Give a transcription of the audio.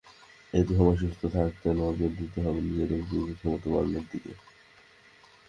তাই এ সময় সুস্থ থাকতে নজর দিতে হবে নিজের রোগ প্রতিরোধ ক্ষমতা বাড়ানোর দিকে।